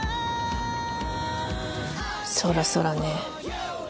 そろそろね。